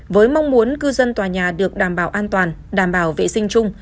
với mong muốn cư dân tòa nhà được đảm bảo an toàn đảm bảo vệ sinh chung